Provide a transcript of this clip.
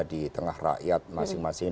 di tengah rakyat masing masing